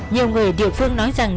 nhiều người địa phương nói rằng